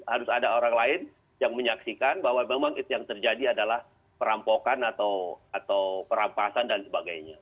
harus ada orang lain yang menyaksikan bahwa memang itu yang terjadi adalah perampokan atau perampasan dan sebagainya